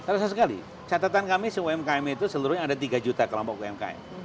rasa sekali catatan kami umkm itu seluruhnya ada tiga juta kelompok umkm